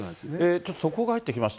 ちょっと速報が入ってきました。